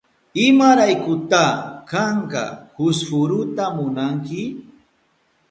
¿Imaraykuta kanka fusfuruta munanki?